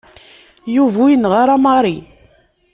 Yuba ur yenɣi ara Mary.